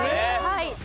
はい。